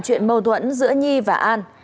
chuyện mâu thuẫn giữa nhi và an